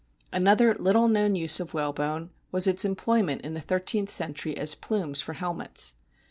Another little known use of whalebone was its employment in the thirteenth century as plumes for helmets.